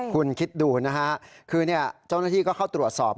คุณคิดดูนะฮะคือเจ้าหน้าที่ก็เข้าตรวจสอบ